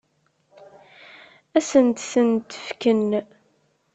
Ad sent-tent-fken?